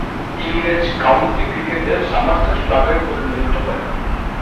ইংরেজ কাউন্টি ক্রিকেটে সমারসেট ক্লাবের প্রতিনিধিত্ব করেন।